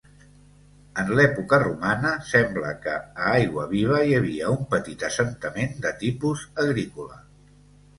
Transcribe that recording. En l'època romana sembla que a Aiguaviva hi havia un petit assentament de tipus agrícola.